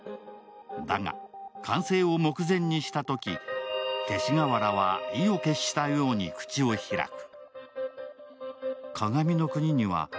だが、完成を目前にしたとき、勅使河原は意を決したように口を開く。